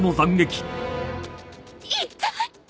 痛い！